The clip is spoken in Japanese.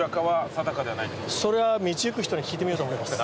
それは道行く人に聞いてみようと思います。